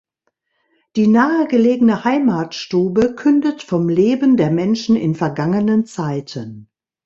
Die nahe gelegene Heimatstube kündet vom Leben der Menschen in vergangenen Zeiten.